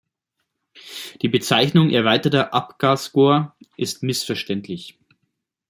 Die Bezeichnung „erweiterter Apgar-Score“ ist missverständlich.